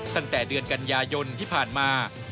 ตั้งแต่เดือนกันยายนที่ผ่านมา